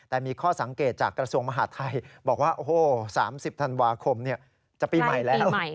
แต่มีข้อสังเกตจากกระทรวงมหาทัยบอกว่าโอ้โห๓๐ธันวาคมจะปีใหม่แล้ว